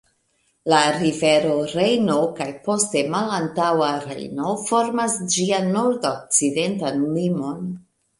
La rivero Rejno kaj poste Malantaŭa Rejno formas ĝian nordokcidentan limon.